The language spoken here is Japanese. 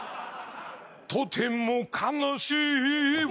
「とても悲しいわ」